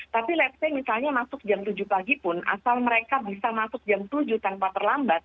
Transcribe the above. tapi ⁇ lets ⁇ say misalnya masuk jam tujuh pagi pun asal mereka bisa masuk jam tujuh tanpa terlambat